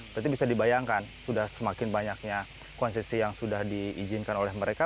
berarti bisa dibayangkan sudah semakin banyaknya konsesi yang sudah diizinkan oleh mereka